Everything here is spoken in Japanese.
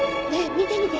見て見て。